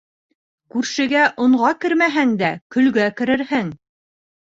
Күршегә онға кермәһәң дә, көлгә керерһең.